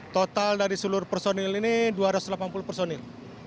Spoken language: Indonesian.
total dari seluruh personil ini dua ratus delapan puluh personil